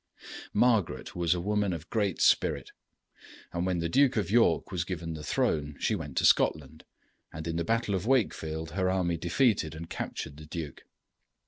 ] Margaret was a woman of great spirit, and when the Duke of York was given the throne she went to Scotland, and in the battle of Wakefield her army defeated and captured the duke.